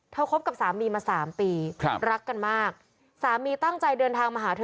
คบกับสามีมาสามปีครับรักกันมากสามีตั้งใจเดินทางมาหาเธอ